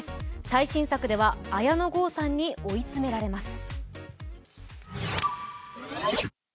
最新作では綾野剛さんに追い詰められます。